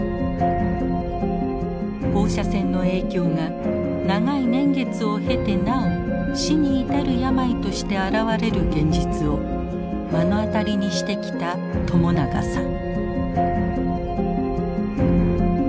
放射線の影響が長い年月を経てなお死に至る病として現れる現実を目の当たりにしてきた朝長さん。